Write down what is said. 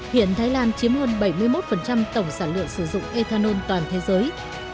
hiện thái lan chiếm hơn bảy mươi một tổng sản lượng sử dụng ethanol toàn thế giới